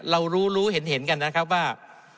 เรารู้รู้เห็นกันนะครับว่า